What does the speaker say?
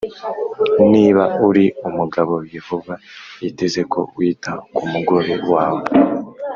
Niba uri umugabo yehova yiteze ko wita ku mugore wawe